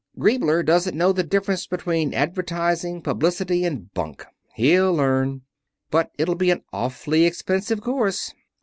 Griebler doesn't know the difference between advertising, publicity, and bunk. He'll learn. But it'll be an awfully expensive course.